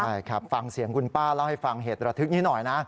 ใช่ครับฟังเสียงคุณป้าเล่าให้ฟังเหตุระทึกนี้หน่อยนะ